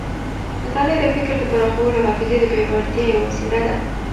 مطالعه د فکر د پراخولو او حافظې د پیاوړتیا یوه وسیله ده.